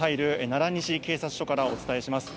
奈良西警察署からお伝えします。